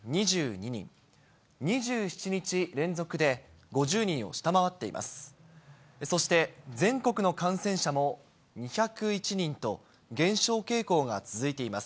２７日連続で５０人を下回っています。